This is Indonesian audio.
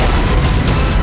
ataupun banyu maruta